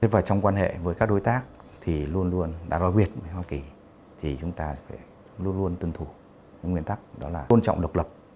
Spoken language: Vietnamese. và trong quan hệ với các đối tác thì luôn luôn đã bao biệt với hoa kỳ thì chúng ta luôn luôn tuân thủ những nguyên tắc đó là tôn trọng độc lập